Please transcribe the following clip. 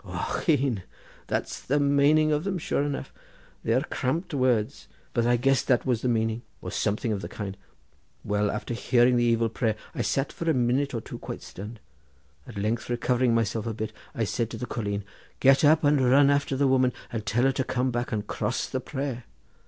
'" "Ochone! that's the maning of them, sure enough. They are cramped words, but I guessed that was the meaning, or something of the kind. Well, after hearing the evil prayer, I sat for a minute or two quite stunned; at length recovering myself a bit I said to the colleen: 'Get up, and run after the woman and tell her to come back and cross the prayer.